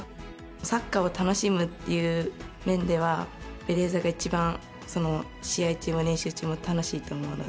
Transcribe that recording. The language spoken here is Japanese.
サッカーを楽しむっていう面では、ベレーザが一番、その試合中も練習中も楽しいと思うので。